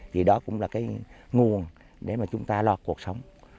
thì đó cũng là cái nguồn để mà chúng ta lo cuộc sống